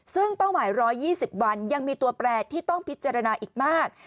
ซึ่งเป้าหมาย๑๒๐วันยังมีตัวแปรที่ต้องพิจารณาอีกมาก